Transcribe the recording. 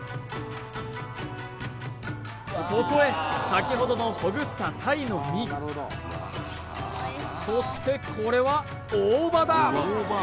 そこへ先ほどのほぐした鯛の身そしてこれは大葉だ！